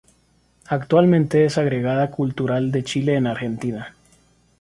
Actualmente es Agregada Cultural de Chile en Argentina.